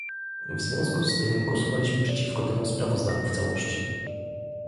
W związku z tym głosowaliśmy przeciwko temu sprawozdaniu w całości